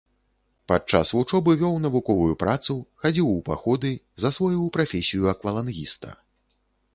Пад час вучобы вёў навуковую працу, хадзіў у паходы, засвоіў прафесію аквалангіста.